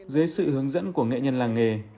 dưới sự hướng dẫn của nghệ nhân làng nghề